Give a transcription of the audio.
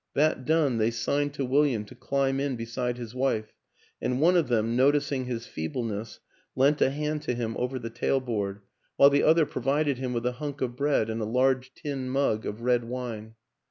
That done, they signed to William to climb in beside his wife, and one of them, noticing his feebleness, lent a hand to him over the tailboard, while the other provided him with a hunk of bread and a large tin mug of red wine.